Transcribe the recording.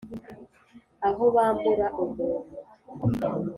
Aho bambura umuntu